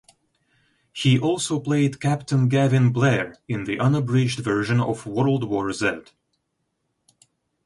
He also played Captain Gavin Blaire in the unabridged version of "World War Z".